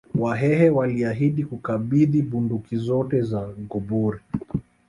Wahehe waliahidi Kukabidhi bunduki zote za gobori